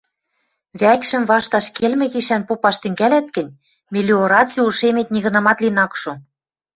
— Вӓкшӹм вашташ келмӹ гишӓн попаш тӹнгӓлӓт гӹнь, мелиораци ушемет нигынамат лин ак шо.